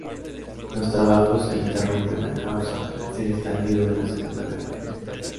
Los trabajos se interrumpen a causa del estallido de la Segunda Guerra Mundial.